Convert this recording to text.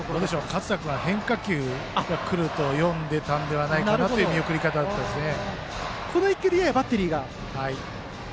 勝田君は変化球が来ると読んでたのではないかなという見送り方でしたね。